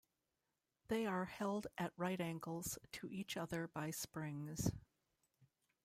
They are held at right angles to each other by springs.